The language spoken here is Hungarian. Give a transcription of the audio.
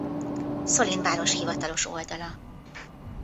Solin város hivatalos oldala